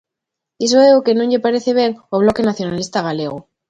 Iso é o que non lle parece ben ao Bloque Nacionalista Galego.